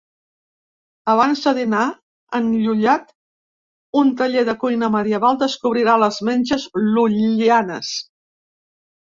Abans de dinar, Enllullat, un taller de cuina medieval, descobrirà les menges lul·lianes.